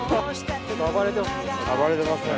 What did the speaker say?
暴れてますね。